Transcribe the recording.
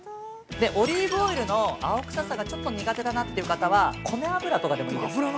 でオリーブオイルの青臭さがちょっと苦手だなって方は米油とかでもいいです。